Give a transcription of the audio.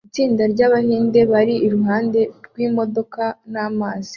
Itsinda ryabahinde bari iruhande rwimodoka namazi